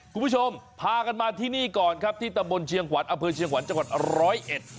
คุณผู้ชมพากันมาที่นี่ก่อนครับที่ตะบนเชียงขวัดอเภอเชียงขวัดจังหวัด๑๐๑